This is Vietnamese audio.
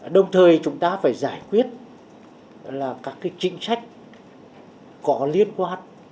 đồng thời chúng ta phải giải quyết là các cái chính sách có liên quan